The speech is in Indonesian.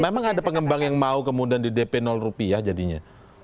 memang ada pengembang yang mau kemudian di dp rupiah jadinya